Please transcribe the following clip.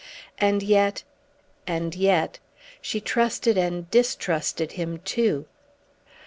And yet and yet she trusted and distrusted him too!